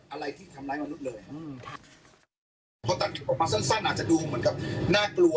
อะไรที่ทำร้ายมนุษย์เลยอืมพอตัดออกมาสั้นสั้นอาจจะดูเหมือนกับน่ากลัว